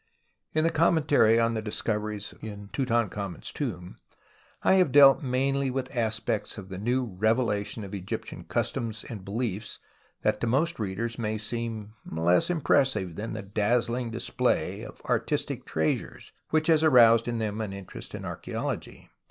In the commentary on the discoveries in Tutankhamen's tomb I have dealt mainly with aspects of the new revelation of Egyptian customs and beliefs that to most readers may seem less impressive than the dazzling display of artistic treasures which has aroused in them an interest in archa?ology.